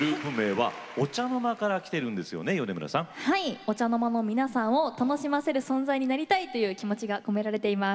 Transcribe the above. お茶の間の皆さんを楽しませる存在になりたいという気持ちが込められています。